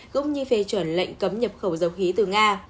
cũng như phê chuẩn lệnh cấm nhập khẩu dầu khí từ nga